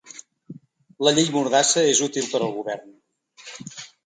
La llei mordassa és útil per al govern.